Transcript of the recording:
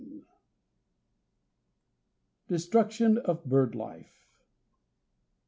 C. M. DESTRUCTION OF BIRD LIFE.